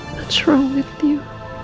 apa yang salah dengan anda